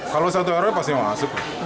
kalau satu rw pasti masuk